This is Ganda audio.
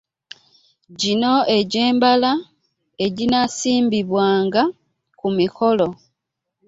Gino egy'embala eginaasimbibwanga ku mikolo